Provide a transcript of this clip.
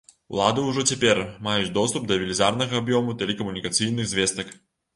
Улады ўжо цяпер маюць доступ да велізарнага аб'ёму тэлекамунікацыйных звестак.